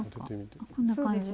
こんな感じとか？